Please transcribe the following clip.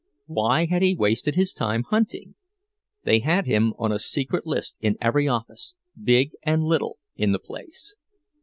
Why had he wasted his time hunting? They had him on a secret list in every office, big and little, in the place.